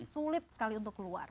sulit sekali untuk keluar